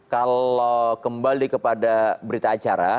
kalau kembali kepada berita acara